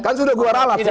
kan sudah gua ralat